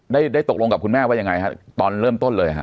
ได้ได้ตกลงกับคุณแม่ว่ายังไงฮะตอนเริ่มต้นเลยฮะ